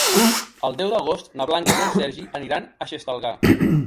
El deu d'agost na Blanca i en Sergi aniran a Xestalgar.